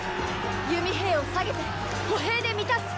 弓兵を下げて歩兵で満たす！